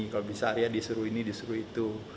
kalau bisa arya disuruh ini disuruh itu